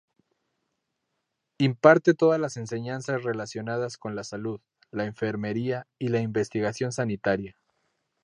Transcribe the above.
Imparte todas las enseñanzas relacionadas con la salud, la enfermería y la investigación sanitaria.